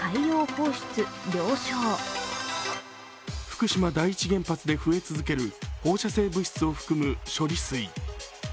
福島第一原発で増え続ける放射性物質を含む処理水。